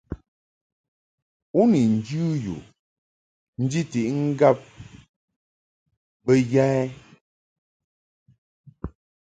U ni njɨ yu njiʼti ŋgab bə ya ɛ ?